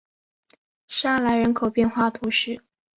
沙莱人口变化图示